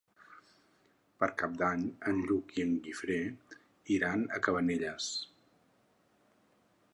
Per Cap d'Any en Lluc i en Guifré iran a Cabanelles.